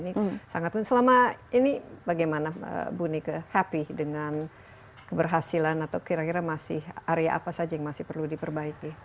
ini selama ini bagaimana bu nika happy dengan keberhasilan atau kira kira masih area apa saja yang masih perlu diperbaiki